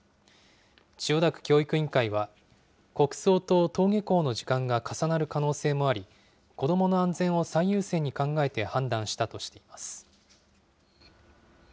千代田区教育委員会は、国葬と登下校の時間が重なる可能性もあり、子どもの安全を最優先に考えて判断したとしています。